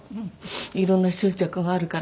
いろんな執着があるから。